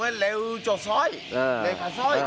ตรงนี้เลี้ยวจากซอยเลี้ยวจากซอย